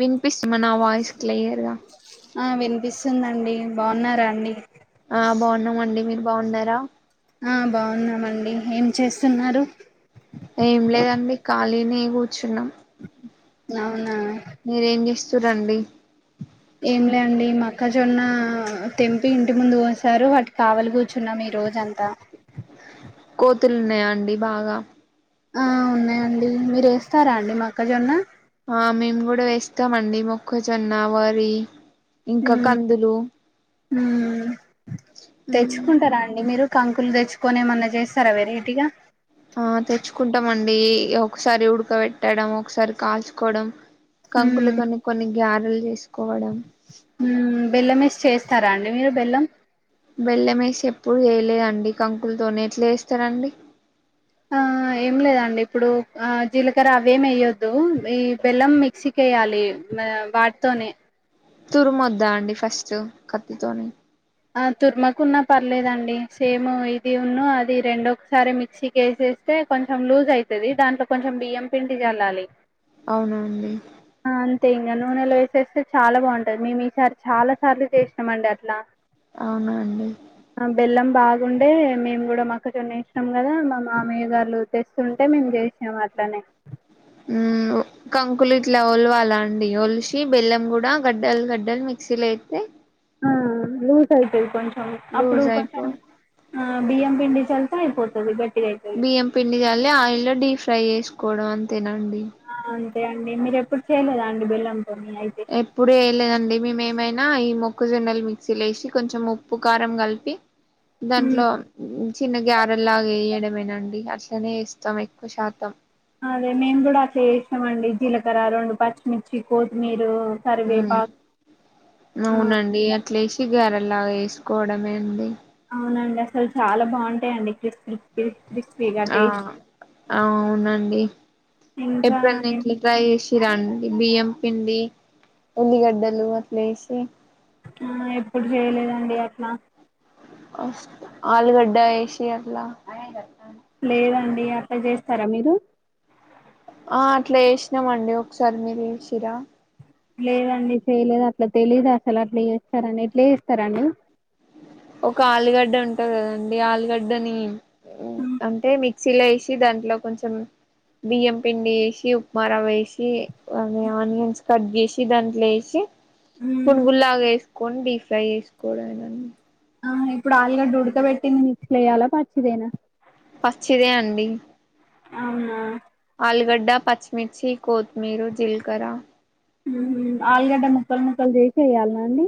విన్పిస్ మా నావాయిస్ క్లియర్ గా ఆ వినిపిస్తుందండి బాగున్నారా అండి ఆ బాగున్నామండి మీరు బాగున్నారా ఆ బాగున్నామండి ఏం చేస్తున్నారు ఏం లేదండి ఖాళీనే కూర్చున్నాం అవునా స్తురండి ఏం లేండి మక్కజొన్న తెంపి ఇంటి ముందు పోసారు వాటి కావాలి కూర్చున్న మీరు రోజంతా కోతులు ఉన్నాయా అండి బాగా ఆ ఉన్నాయండి మీరు వేస్తారా అండి మొక్కజొన్న ఆ మేము కూడా వేస్తామండి మొక్కజొన్న, వరి ఇంకా ఉమ్ కందులు ఉమ్, తెచ్చుకుంటారా అండి మీరు కంకులు తెచ్చుకొని ఏమన్నా చేస్తారా వెరైటీగా ఆ తెచ్చుకుంటామండి ఒకసారి ఉడక పెట్టడం ఒకసారి కాల్చుకోవడం ఉమ్ కంకులతోని కొన్ని గ్యారలు చేసుకోవడం ఉమ్ బెల్లం వేసి చేస్తారా అండి మీరు బెల్లం బెల్లమేసి ఎప్పుడు చేయలేదండి కంకులతోనే ఎట్లా చేస్తారండి ఆ ఏం లేదండి ఇప్పుడు ఆ జీలకర్ర అవేమి వయ్యొద్దు ఈ బెల్లం మిక్సీకి వెయ్యాలి వాటితోనే తురుమొద్దా అండి ఫస్ట్ కత్తితోని ఆ తుర్మకున్న పర్లేదండి సేమ్ ఇది ఉన్ను అది రెండు ఒక్కసారే మిక్సీకి వేసేస్ స్తే కొంచెం లూజ్ అవుతుది దాంట్లో కొంచెం బియ్యం పిండి చల్లాలి అవునా అండి ఇగా నూనెలు వేసేస్తే చాలా బాగుంటది మేము ఈసారి చాలా సార్లు చేసినామండి అట్లా అవునా అండి ఆ! బెల్లం బాగుండే మేము కూడా మాక్క జోన్న వేసినం కదా మా మామయ్య గారు తెస్తుంటే మేము చేసినం అట్లనే మ్మ్ కంకులు ఇట్లా ఓలవల అండి ఒలిసి బెల్లం కూడా గడ్డలు గడ్డలు మిక్సీలో ఎత్తే ఆ లూజు అయితది కొంచెం అప్పుడు లూజ్ కొంచెం అయిపో ఆ బియ్యం పిండి చల్లితే అయిపోతది గట్టిగా అయితది బియ్యం పిండి చల్లి ఆయిల్ లో డీప్ ఫ్రై చేసుకోవడం అంతేనా అండి తే అండి మీరు ఎప్పుడు చేయలేదా అండి బెల్లం ఎప్పుడు చేయలేదండి మేము ఏ మేనా ఈ మొక్కజొన్నలు మిక్సీ లేసి కొంచెం ఉప్పు కారం కలిపి ఉమ్ దాంట్లో చిన్న గ్యారెల్లాగా వేయడం అండి అట్లనే ఇస్తాం ఎక్కువ శాతం అదే మేము కూడా చేసినాం అండి జీలకర్ర, రెండు పచ్చిమిర్చి, కొత్తిమీరు కరివేపాకు ఆ అవునండి అట్లేసి గ్యారెల్లాగా వేసుకోవడమే అండి అవునండి అసలు చాల బాగుంటాయంండి క్రిస్మిక్ ఆ అ అవునండి ఇంకా ఎప్పుడన్న ఏం ఇట్లా ట్రై చేసి ఇరా అండి బియ్యం పిండి ఉల్లిగడ్డలు అట్లేసి ఆ ఎప్పుడు చేయలేదండి అట్ల అ ఆలుగడ్డ ఏేసిి అట్ల లేదండి అట్ల చేస్తారా మీరు ఆ అట్లా వేసిన మండి ఒకసారి మీరు చేసిన్రా లేదండి చేయలేదు అట్ల తెలీదు అసలు అట్ల చేస్తారని ఎట్లే చేస్తారాం ఒక ఆలుగడ్డ ఉంటది కదండి ఆలుగడ్డని అంటే మీ క్ క్సిలేేసి దాంట్లో కొంచెం బియ్యం పిండి వేసి ఉప్మారవ్వ వేసి అ ఆనియన్స్ కట్ చేసి దాంట్లో వేసి మ్మ్ పున్లుల్లాగ వేసుకోండి డీప్ ఫ్రై వేసుకోవడమేనండి ఆ ఇప్పుడు ఆలుగడ్డ ఉడకబెట్టింది నిచ్చలేయాల పచ్చిదేనా పచ్చిదే అండి అవునా ఆలుగడ్డ పచ్చిమిర్చి కొత్తిమీరు జీల్కర్ర ఆలుగడ్డ ముక్కల్ ముక్కల్ చేసి ఏయాల్నా అండి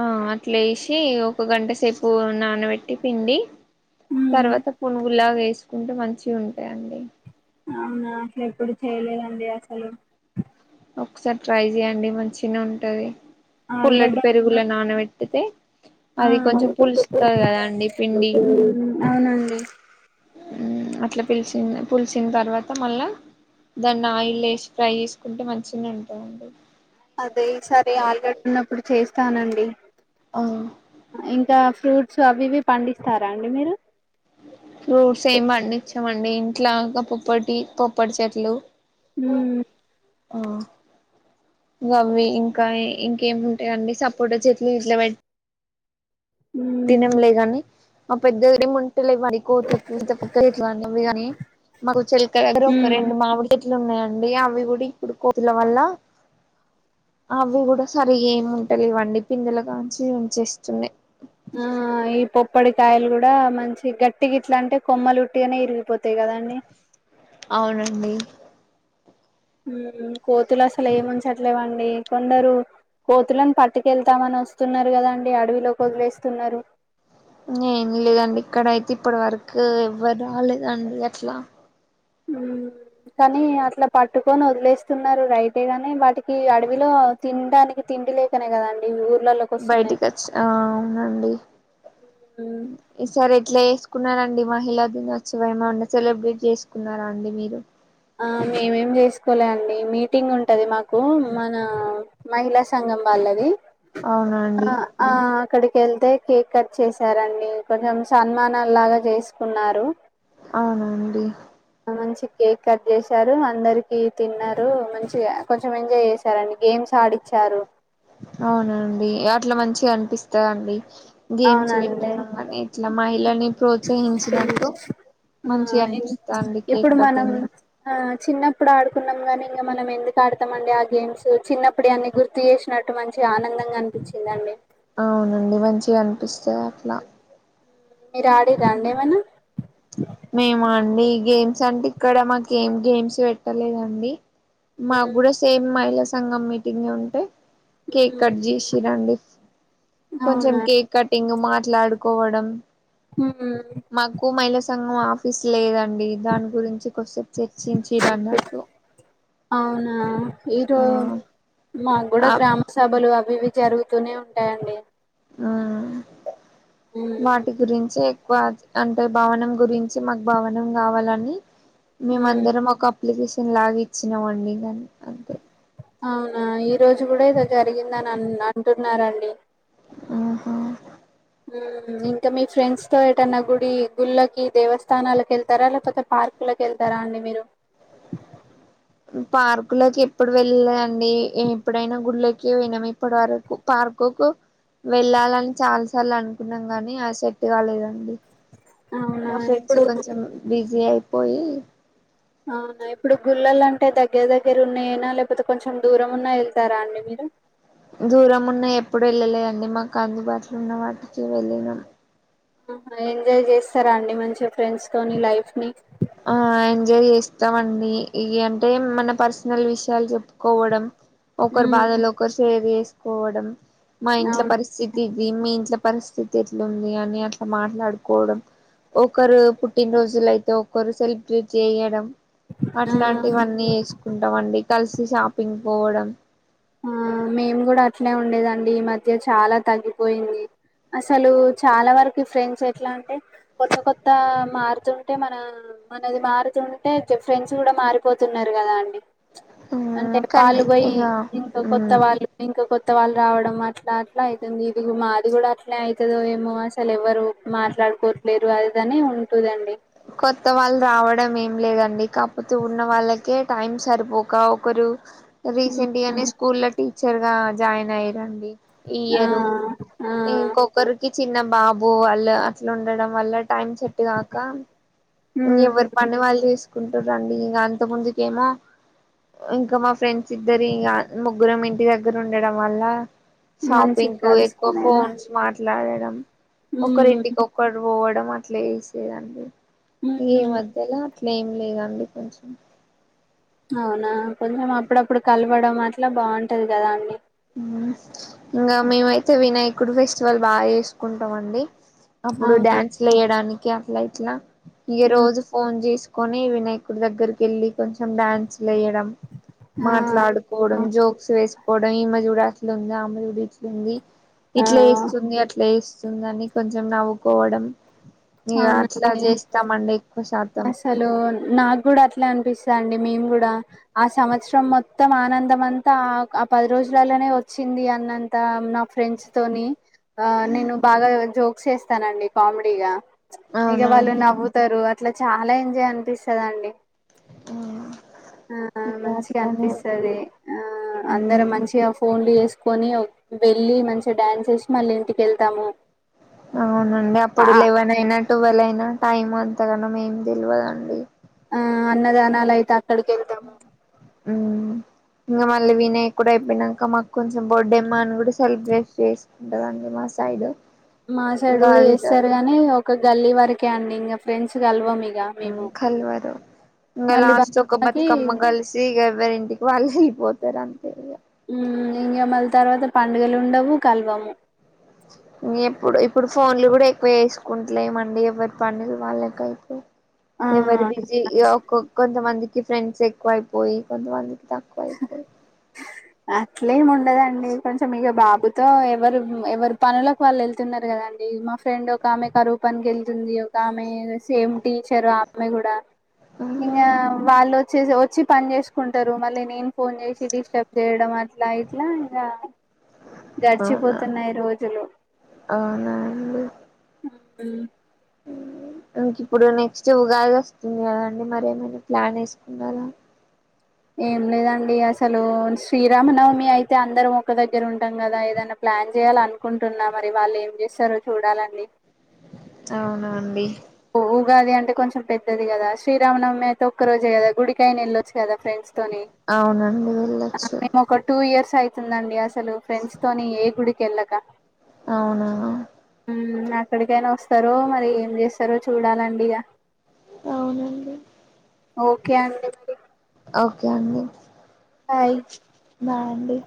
ఆ అట్లేసి ఒక గంట సేపు నానబెట్టి పిండి ఉమ్ తర్వాత పునుగుల్లాగా వేసుకుంటే మంచి ఉంటాయండి అవునా అసలు ఎప్పుడు చేయలేదండి అసలు ఒకసారి ట్రై చే్యండి మంచి నె ఉంటది పుల్లటి ఆలుగడ్డ పెరుగుల నానబెట్టితే ఆ అది కొంచెం పులుస్తారు కదా అండి పిండి అవునండి అట్ల పిలిచింద పులిసిన తర్వాత మళ్ళా దాన్ని ఆయిల్ వేసి ఫ్రై చేసుకుంటే మంచినె ఉంటాదండి అదే సరే ఆలుగడ్డ ఉన్నప్పుడు చేస్తానండి ఇంక ఫ్రూట్స్ అవి ఇవి పండిస్తారా అండి మీరు ఫ్రూట్స్ ఏమి పండించమండి ఇంట్ల పొప్పటి పొప్పటి చెట్లు మ్ ఆ అవ్వె ఇంక ఇంకేముంటాయండి సపోటా చెట్లు ఇంట్లా పెట్ ఉమ్ తినంలే గాని ఆ పెద్దగా ఏమింటలే కానీ కోట్ల పక్కట్ల అనేవి కానీ మాకు చిలక్గర ఒక ఉమ్ రెండు మామిడి లు ఉన్నాయండి అవి కూడ ఇప్పుడు కోతుల వల్ల అవి కూడ సరిగ్గా ఏమి ఉంటాయి వండి పిండిలు కాంచి చేేస్తుంది ఆ ఈ పొప్పడికాయలు కూడా మంచి గెట్టిగ ఇట్ల అంటే కొమ్మలుట్టిగానే ఇరిగిపోతయి అవునండి కోతులు అసలు ఏముంచట్లేదండి కొందరు కోతులను పట్టుకెళ్తామన్న వస్తున్నారు కదా అండి అడవిలో వదిలేస్తున్నారు ఏం లేదండి ఇక్కడ అయితే ఇప్పటి వరకు ఎవ్వరు రాలేదండి అట్లా మ్ కనీ అట్ల పట్టుకొని వదిలేస్తున్నారు రైటే గాని వాటికి అడవిలో తినడానికి ఉండి లేకనే కదండి ఊ బయటికి వచ్చినా అవునండి ఈ సారి ఎట్లే స్ కున్నానండి మహిళా దినోత్సవ ఏమ ఉ సెలబ్రేట్ చేసుకున్నార అండి మీరు మేమేం చేసుకోలే అండి మీటింగ్ ఉంటది మాకు మన మహిళా సంఘం వాళ్ళది అవునండి అ ఆ అక్కడికి వెళ్తే కేక్ కట్ చేసారండి కొంచెం సన్మానం లాగ చేసుకున్నారు అవునా అండి మంచి కేక్ కట్ చేసారు అందరికి తిన్నారు మంచిగా కొంచెం ఎంజాయ్ చేశారండి గేమ్స్ చాడిచ్చారు అవునండి అట్లా మంచి అనిపిస్తా అండి గేమ్స్ అవునండి పెట్టడం కాని ఇట్లా మహిళని ప్రోత్సహించినట్టు ఆ మంచిగా అనిపిస్తాంది కేక్ ఎప్పుడు మనం కటింగ్ ఆ చిన్నప్పుడు ఆడుకున్నాం గాని ఇంకా మనం ఎందుకు ఆడుతాం అండి ఆ గేమ్స్ చిన్నప్పుడు అవన్నీ గుర్తు చేసినట్టు మంచి ఆనందంగా అనిపించిందండి అవునండి మంచిగా అనిపిస్తాది అట్లా మీరు ఆడిన్రా అండి ఏమనా ఈ గేమ్స్ అంటే ఇక్కడ మాకు ఏం గేమ్స్ పెట్టలేదండి మాకు ఉమ్, కూడా సేమ్ మహిళా సంఘం మీటింగ ఉంటే కేక్ ఉమ్, కట్ చేసిన్రు రండి కొంచెం అవునా కేక్ కటింగ్ మాట్లాడుకోవడం ఉమ్, మాకు మహిళా సంఘం ఆఫీస్ లేదం డి దాని గురించి కొసేపు చర్చించిరు అన్నట్టు అవునా ఈరో మా కూడా ఆ గ్రామ సభలు అవి ఇవి జరుగుతూనే ఉంటాయండి ఆ ఉమ్, వాటి గురించి ఏ క్కు అంటే భవనం గురించి మాకు భవనం కావాలని ఉమ్. మేమందరం ఒక అప్లికేషన్ లాగా ఇచ్చినామండి కానీ అంతే అవునా ఈ రోజు కూడా ఇదో జరిగిందని అన్ అంటున్నారంండి ఆహ ఉమ్ ఇంకా మీ ఫ్రెండ్స్ తో ఏటన్నా గుడి గుళ్ళకి దేవస్థానాలకి వెళ్తారా లేకపోతే పార్క్ లోకి వెళ్తారా అండి మీరు పార్కులోకి ఎప్పుడు వెళ్ళలే అండి ఎప్పుడైనా గుళ్ళకి పోయినాము ఇప్పటి వరకు పార్ ర్కుకు వెళ్ళాలని చాలా సార్లు అనుకున్నాం కాని అది సెట్ కాలేదండి అవునా మా ఫ్రెండ్స్ ఇప్పుడు కొంచెం బిజీ అయిపోయి అవునా ఇప్పుడు గుళ్ళలు అంటే దగ్గర దగ్గర ఉన్నాయయినా లేకపోతే కొంచెం దూరం ఉన్నా ఎళ్తారా అండి మీ [unintelligible] దూరం ఉన్నాయి ఎప్పుడు వెళ్ళలేదండి మాకు అందుబాటులో ఉన్న వాటికి వెళ్ళినం ఆహా ఎంజాయ్ చేస్తారా అండి మంచిగా ఫ్రెండ్స్తోనీ లైఫ్ ని ఆ ఎంజాయ్ చేస్తామండి ఇవి అంటే మన పర్సనల్ విషయాలు చెప్పుకోవడం ఒకరు మ్మ్ బాధలో ఒకరు షేవ వేసుకోవడం మా ఇంట్లో అవును పరిస్థితి ఇది మీ ఇంట్ల పరిస్థితి ఎట్లుంది అని అట్లా మాట్లాడుకోవడం ఒకరు పుట్టినరోజుల అయితే ఒక ఒకరు సెలబ్రేట్ చేయడం ఆ అట్లాంటివన్నీ చేసుకుంటాం అండి కలిసి షాపింగ్ పోవడం ఆ మేము కూడా అట్లే ఉండేదండి ఈ మధ్య చాలా తగ్గిపోయింది అసలు చాలా వరకు ఫ్రెండ్స్ ఎట్లా అంటే కొత్త కొత్త మార్తు ఉంటే మన మనది మారుతుంటే ఫ్రెండ్స్ కూడా మారిపోతున్నారు కదా అండి అంటే పాలు కానీ పోయి ఇక ఇంకా కొత్త వాళ్ళు ఇంకా కొత్త కొత్తవాలు రావడం అట్లా అట్లా అవుతుంది ఇది మాది కూడా అట్లే అవుతుందో ఏమో అసలు ఎవరు మాట్ ట్లాడుకోవట్లేరు అదిదనే ఉంటుదండి కొత్త వాళ్ళు రావడం ఏం లేదండి కాపోతే ఉన్న వాళ్ళకే టైం సరిపోక ఒకరి ఉమ్ రీసెంట్ గానే స్కూల్ లో టీచర్ గా జాయిన్ అయ్యారంండి ఇ ఆ ఇయర్ ఆ ఇంకాఒకర్కి చిన్న బాబు వాళ్ళు అట్లా ఉండడం వల్ల టైమ్ సేట్టుగాక ఎవ్వరి పని వాళ్ళు చేసుకుంటండి ఇంక అంత ముందుకేమో ఇంకా మా ఫ్రెండ్స్ ఇద్దరి ఇ ముగ్గురం ఇంటి దగ్గర ఉండడం వల్ల మంచి షాపింగ్ కు ఎక్కువ కలుసుకునేదా ఫోన్స్ మాట్లాడడం ఉమ్ ఒకరింటికి ఒకరు పో అట్లా వేసేదండి ఈ ఉమ్ మధ్యలో అట్లా ఏం లేదండి కొంచెం అవునా కొంచెం అప్పుడప్పుడు కలపడం అట్లా బాగుంటది కదా అండి ఉ ఇంకా మేమైతే వినాయకుడు ఫెస్టివల్ బాగా చేసుకుంటాం అండి అప్పుడు అవునా డ్యాన్స్లు వేయడానికి అట్లా ఇట్లా ఇక ఉమ్ రోజు ఫోన్ చేసు కొన్ని వినాయకు దగ్గర గ కొంచెం డ్యాన్స్లు వేయడం ఆ మాట్లాడుకోవడం జోక్స్ వేసుకోవడం ఈ మధ్య లుంది అమలగుడి ఇట్లుంది ఆ ఇట్లా వేస్తుంది అట్లా వేస్తు వందని కొంచెం నవ్వుకోవడం ఇగ అట్లా అవునండి చేస్తామండి ఎక్కువ శాతం అసలు నాకు కూడా అట్లే అనిపిస్తు అండి మేము కూడా ఆ సంవత్సరం మొత్తం ఆనందం అంతా ఆ పది రోజులలోనే వచ్చింది అన్నంత నా ఫ్రెండ్స్ తోని ఆ నేను బాగా జోక్స్ చేస్తానండి కామెడీగా ఇక వాళ్ళు అవునండి నవ్వుతారు అట్లా చాలా ఎంజాయ్ అనిపిస్తదండి హూ ఆ మంచిగా అనిపిస్తుది ఆ అందర మంచిగా ఫోన్లు చేసు కొని వెళ్ళి మంచిగా డ్యాన్స్ చేసి మళ్ళీ ఇంటికి వెళ్తాము అవునండి ఆ అప్పుడు లెవెన్ అయినా టువెల్వ్ అయినా టైం అంతగాన్నా మేమి తెలియదండి ఆ అన్నదానాలు అయితే అక్కడికి వెళ్తాము ఉ ఇంకా మళ్ళీ వినయ కూడా అయిపోయినాక మాకు కొంచెం బర్త్డేమ్మ అని కూడా సెలబ్రేట్ చేసుకుంటారుండి మా సైడు మా సైడు చేస్తారు గాని ఒక గల్లీ వరకే అండి ఇంకా ఫ్రెండ్స్ కలవా మీ కల్వరు ఇంకా మళ్ళీ లాస్ట్ ఒక కి బతుకమ్మ కలిసి ఇక ఎవ్వరి ఇంటికి వాళ్ళు వెళ్ళిపోతారు అంతే ఇంగమ్మల తర్వాత పండుగలు ఉండవు కలవము ఎప్పుడు ఇప్పుడు ఫోన్లు కూడా ఎక్కువ వేసుకుంటలేమండి ఎవరి పనులు వాళ్ళక అయిపో ఆ ఎవరి బిజీ కొంతమందికి ఫ్రెండ్స్ ఎక్కువయిపోయి కొంతమందికి ఇ తాకుయిపోయి అట్లేమి ఉండదండి కొంచెం ఇక బాబుతో ఎవరు ఎవరు పనులకు వాళ్ళు వెళ్తున్నారు కదా అండి మా ఫ్రెండ్ ఒక ఆమె కరూప్ అని గెళ్తుంది ఒక ఆమె సేమ్ టీచరు ఆమె కూడా అయిపోయి ఇంకా వాళ్ళు వచ్చే వచ్చి పని చేసుకుంటారు మళ్ళీ నేను ఫోన్ చేసి డిస్టర్బ్ ఇక్కడ అట్లా ఇట్లా ఇంకా అవునా గడిచిపోతున్నాయి రోజులు అవునా అండి ఇంక ఇప్పుడు నెక్స్ట్ ఉగాది వస్తుంది కదా అండి మర ఏమైనా ప్లాన్ వేసుకున్నారా ఏం లేదండి అసలు శ్రీరామనవమి అయితే అందరం ఒకక్క దగ్గర ఉంటాం కదా ఏదైనా ప్లా ప్లాన్ చేయాల అనుకుంటున్నా మరి వాళ్ళు ఏం చేస్తార చూడాలండి అవునండి ఉగాది అంటే కొంచెం పెద్దది కదా శ్రీరామనమ్ అయితే ఒక్క రోజే కదా గుడికాయ నిళ్ళొచ్చు కదా ఫ్రెండ్స్ అవునండి వెళ్ళొచ్చు మేము ఒక టూ ఇయర్స్ అవుతుందండి అసలు ఫ్రెండ్స్ తోని ఏ గుడికెళ్ళక అవున ఉ అక్కడికైనా వస్తారో మరి ఏం చేస్తారో చూడాలండి ఇక అవునండి ఓకే అండి ఓకే అండి బాయ్ బయ్ అండి